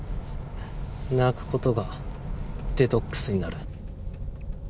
泣く事がデトックスになる。